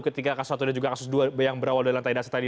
ketika kasus satu dan juga kasus yang berawal dari lantai dasar tadi